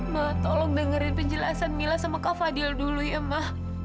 mah tolong dengerin penjelasan mila sama kak fadil dulu ya ma